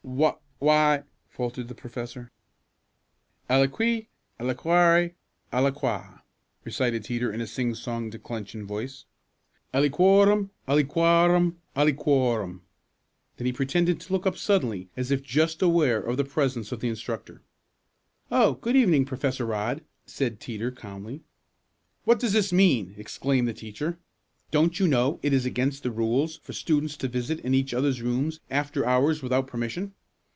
"What why ?" faltered the professor. "Aliqui aliquare aliqua," recited Teeter in a sing song declension voice. "Aliquorum aliquarum aliquorum." Then he pretended to look up suddenly, as if just aware of the presence of the instructor. "Oh, good evening, Professor Rodd," said Teeter calmly. "What does this mean?" exclaimed the teacher. "Don't you know it is against the rules for students to visit in each others' rooms after hours without permission?"